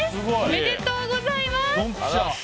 おめでとうございます。